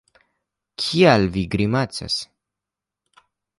Kial vi grimacas?